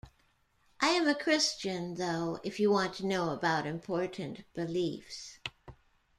I am a Christian, though, if you want to know about important beliefs.